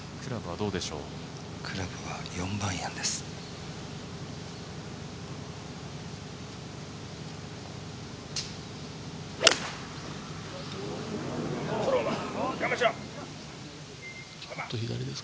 クラブは４番アイアンです。